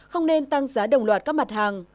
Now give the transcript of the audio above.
không nên tăng giá đồng loạt các mặt hàng